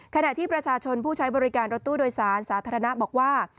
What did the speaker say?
ขณะที่ประชาชนผู้ใช้บริการรถตู้โดยสารสาธารณะบอกว่า